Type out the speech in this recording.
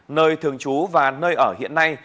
nơi thường trú và nơi ở hiện nay